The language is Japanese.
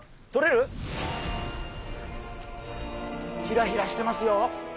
ひらひらしてますよ。